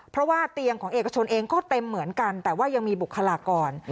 เพราะว่าเตียงของเอกชนเองก็เต็มเหมือนกันแต่ว่ายังมีบุคลากร